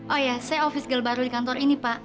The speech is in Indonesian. oh ya saya ofis girl baru di kantor ini pak